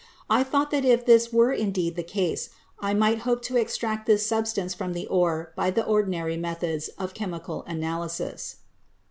I thought that if this were indeed the case, I might hope to extract this substance from the ore by the ordinary meth ods of chemical analysis."